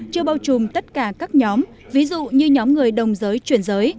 chưa bao trùm tất cả các nhóm ví dụ như nhóm người đồng giới chuyển giới